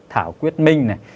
thảo quyết minh này